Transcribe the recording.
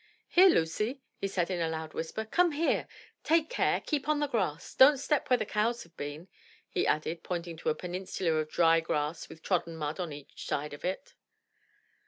"Here, Lucy,*' he said in a loud whisper, *'come here! take care! keep on the grass! — don't step where the cows have been!" he added, pointing to a peninsula of dry grass with trodden mud on each, side of it.